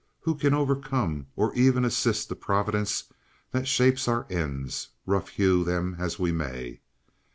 Who can overcome or even assist the Providence that shapes our ends, rough hew them as we may.